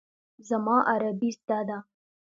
زما عربي زده ده.